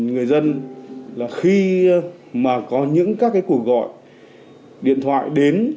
người dân là khi mà có những các cái cuộc gọi điện thoại đến